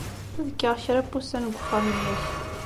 Ad kkeɣ kra n wussan deg uxxam-nnek.